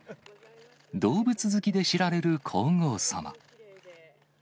動物好きで知られる皇后さま。